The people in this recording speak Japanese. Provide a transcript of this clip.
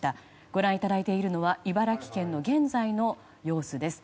ご覧いただいているのは茨城県の現在の様子です。